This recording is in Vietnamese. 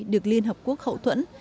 được liên hợp quốc hậu thuẫn